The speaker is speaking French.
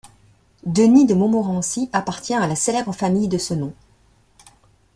Denis de Montmorency appartient à la célèbre famille de ce nom.